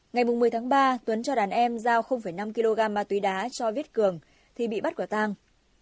ngày một mươi tháng ba tuấn cho đàn em giao năm kg ma túy đá cho viết cường thì bị bắt quả tang